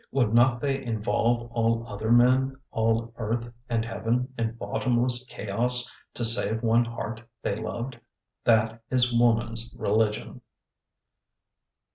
Would not they involve all other men, all earth and heaven, in bottomless chaos, to save one heart they loved? That is woman's religion.